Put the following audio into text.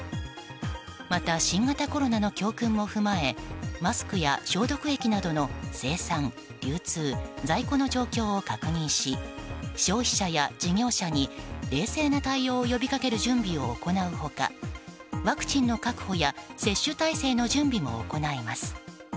また、新型コロナの教訓も踏まえマスクや消毒液などの生産・流通・在庫の状況を確認し消費者や事業者に冷静な対応を呼びかける準備を行う他ワクチンの確保や接種体制の準備も行います。